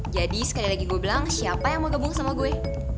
sekali lagi gue bilang siapa yang mau gabung sama gue